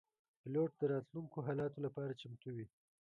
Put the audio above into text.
پیلوټ د راتلونکو حالاتو لپاره چمتو وي.